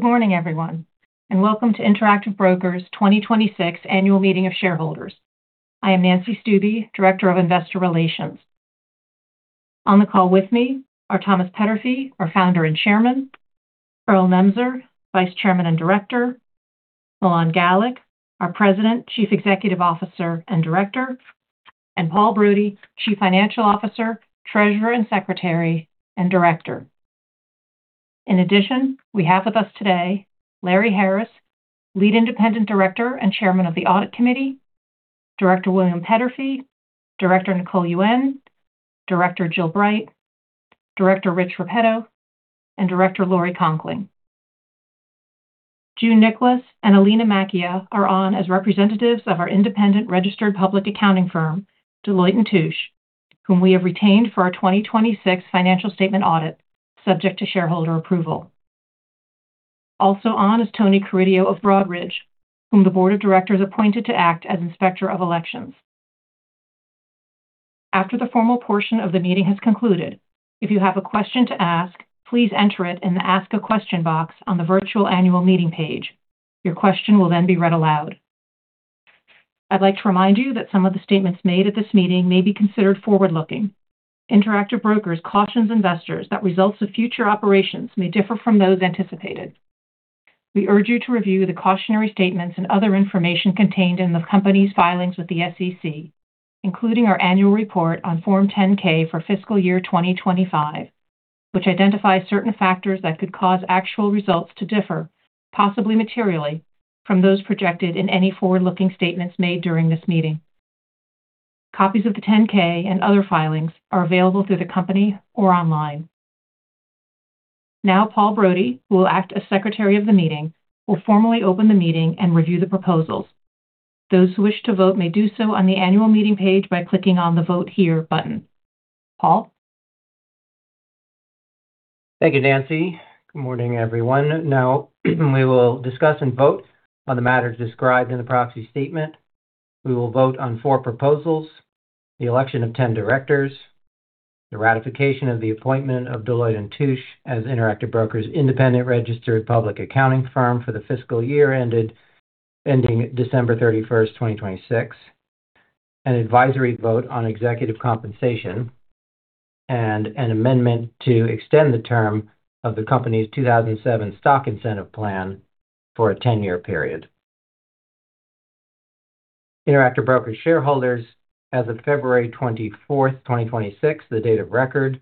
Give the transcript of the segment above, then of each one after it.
Good morning, everyone, and welcome to Interactive Brokers' 2026 annual meeting of shareholders. I am Nancy Stuebe, Director of Investor Relations. On the call with me are Thomas Peterffy, our Founder and Chairman; Earl Nemser, Vice Chairman and Director; Milan Galik, our President, Chief Executive Officer, and Director; and Paul Brody, Chief Financial Officer, Treasurer, and Secretary, and Director. In addition, we have with us today Lawrence Harris, Lead Independent Director and Chairman of the Audit Committee; Director William Peterffy; Director Nicole Yuen; Director Jill Bright; Director Richard Repetto; and Director Lori Conkling. June Nicholas and Alina Macchia are on as representatives of our independent registered public accounting firm, Deloitte & Touche, whom we have retained for our 2026 financial statement audit, subject to shareholder approval. Also on is Tony Corridore of Broadridge, whom the board of directors appointed to act as Inspector of Elections. After the formal portion of the meeting has concluded, if you have a question to ask, please enter it in the Ask a Question box on the Virtual Annual Meeting page. Your question will then be read aloud. I'd like to remind you that some of the statements made at this meeting may be considered forward-looking. Interactive Brokers cautions investors that results of future operations may differ from those anticipated. We urge you to review the cautionary statements and other information contained in the company's filings with the SEC, including our annual report on Form 10-K for fiscal year 2025, which identifies certain factors that could cause actual results to differ, possibly materially, from those projected in any forward-looking statements made during this meeting. Copies of the 10-K and other filings are available through the company or online. Now, Paul Brody, who will act as Secretary of the meeting, will formally open the meeting and review the proposals. Those who wish to vote may do so on the annual meeting page by clicking on the Vote Here button. Paul? Thank you, Nancy. Good morning, everyone. Now we will discuss and vote on the matters described in the proxy statement. We will vote on four proposals, the election of 10 directors, the ratification of the appointment of Deloitte & Touche as Interactive Brokers' independent registered public accounting firm for the fiscal year ending December 31st, 2026, an advisory vote on executive compensation, and an amendment to extend the term of the company's 2007 Stock Incentive Plan for a 10-year period. Interactive Brokers shareholders, as of February 24, 2026, the date of record,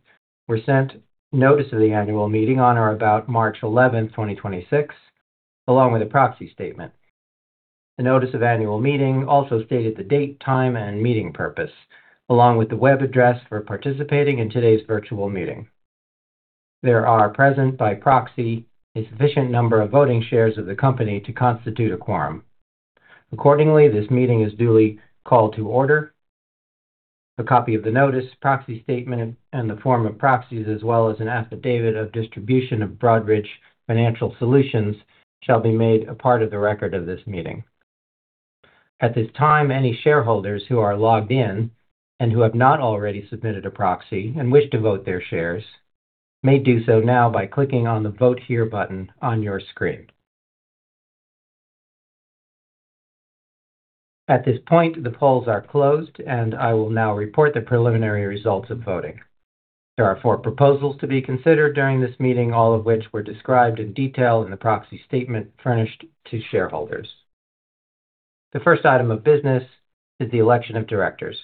were sent notice of the annual meeting on or about March 11th, 2026, along with a proxy statement. The notice of annual meeting also stated the date, time, and meeting purpose, along with the web address for participating in today's virtual meeting. There are present by proxy a sufficient number of voting shares of the company to constitute a quorum. Accordingly, this meeting is duly called to order. A copy of the notice, proxy statement, and the form of proxies, as well as an affidavit of distribution of Broadridge Financial Solutions, shall be made a part of the record of this meeting. At this time, any shareholders who are logged in and who have not already submitted a proxy and wish to vote their shares may do so now by clicking on the Vote Here button on your screen. At this point, the polls are closed, and I will now report the preliminary results of voting. There are four proposals to be considered during this meeting, all of which were described in detail in the proxy statement furnished to shareholders. The first item of business is the election of directors.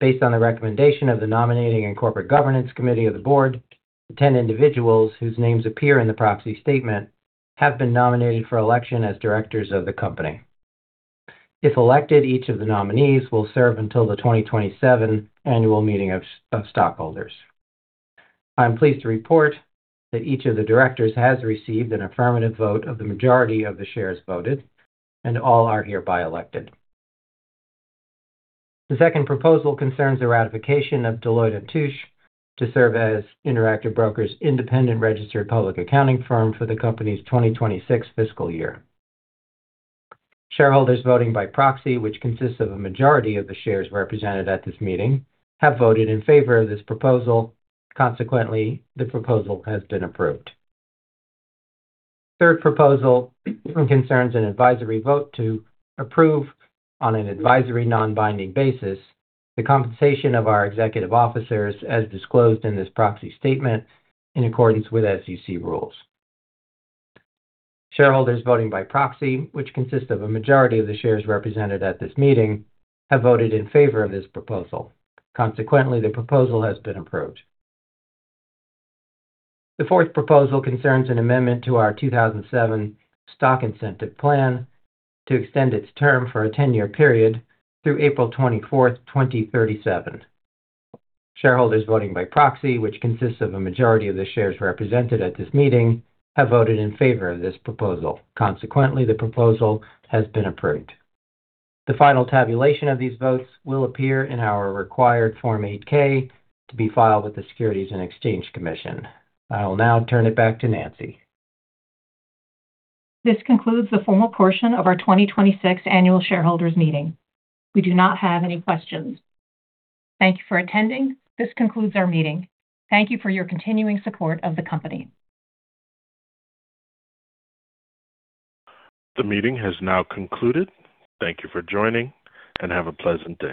Based on the recommendation of the Nominating and Corporate Governance Committee of the board, the 10 individuals whose names appear in the proxy statement have been nominated for election as directors of the company. If elected, each of the nominees will serve until the 2027 annual meeting of stockholders. I'm pleased to report that each of the directors has received an affirmative vote of the majority of the shares voted, and all are hereby elected. The second proposal concerns the ratification of Deloitte & Touche to serve as Interactive Brokers' independent registered public accounting firm for the company's 2026 fiscal year. Shareholders voting by proxy, which consists of a majority of the shares represented at this meeting, have voted in favor of this proposal. Consequently, the proposal has been approved. Third proposal concerns an advisory vote to approve on an advisory non-binding basis the compensation of our executive officers as disclosed in this proxy statement in accordance with SEC rules. Shareholders voting by proxy, which consists of a majority of the shares represented at this meeting, have voted in favor of this proposal. Consequently, the proposal has been approved. The fourth proposal concerns an amendment to our 2007 Stock Incentive Plan to extend its term for a 10-year period through April 24th, 2037. Shareholders voting by proxy, which consists of a majority of the shares represented at this meeting, have voted in favor of this proposal. Consequently, the proposal has been approved. The final tabulation of these votes will appear in our required Form 8-K to be filed with the Securities and Exchange Commission. I will now turn it back to Nancy. This concludes the formal portion of our 2026 annual shareholders meeting. We do not have any questions. Thank you for attending. This concludes our meeting. Thank you for your continuing support of the company. The meeting has now concluded. Thank you for joining, and have a pleasant day.